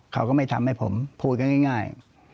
เขาก็ไม่ทำให้ผมพูดกันง่าย